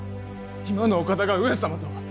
今のお方が上様とは！